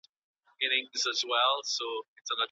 په نوروز کي خپګان نه کېږي.